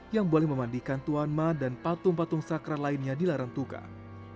yang boleh memandikan tuan ma dan patung patung sakral lainnya dilarang tukang